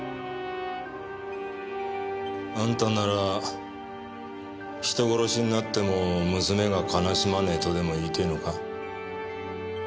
あんたなら人殺しになっても娘が悲しまねえとでも言いてえのか？